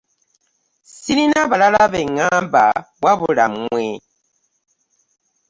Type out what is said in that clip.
Ssirina balala be ŋŋamba wabula mmwe.